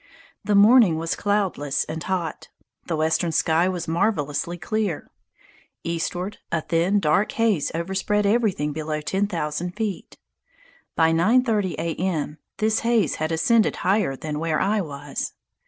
The morning was cloudless and hot. The western sky was marvelously clear. Eastward, a thin, dark haze overspread everything below ten thousand feet. By 9.30 A. M. this haze had ascended higher than where I was.